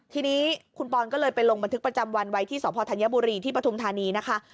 ทีนี้คุณปอนก็เลยไปลงบันทึกประจำวันไว้ที่สพธัญบุรีที่ปฐุมธานีนะคะ